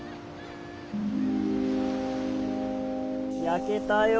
焼けたよ。